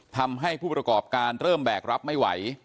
ทำให้ผู้ประกอบการเริ่มแบกรับไม่ไหว